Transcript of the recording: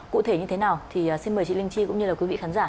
cụ thể như thế nào thì xin mời chị linh chi cũng như là quý vị khán giả